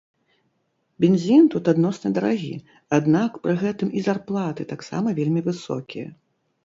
Бензін тут адносна дарагі, аднак, пры гэтым і зарплаты таксама вельмі высокія.